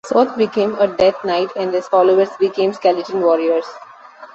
Soth became a death knight and his followers became skeleton warriors.